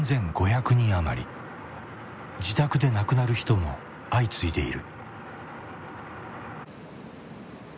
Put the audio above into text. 自宅で亡くなる人も相次いでいる。